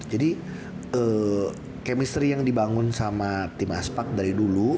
jadi chemistry yang dibangun sama tim aspak dari dulu